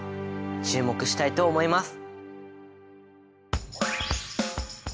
注目したいと思います。